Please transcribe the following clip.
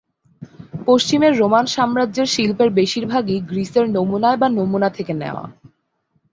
পশ্চিমের রোমান সাম্রাজ্যের শিল্পের বেশির ভাগই গ্রিসের নমুনায় বা নমুনা থেকে নেয়া।